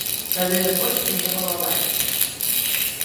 Тады дазвольце мне балалайку.